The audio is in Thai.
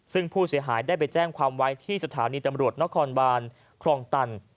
ซึ่งผู้เสียหายได้ไปแจ้งความไว้ที่สถานีตำรวจนครบานคลองตัน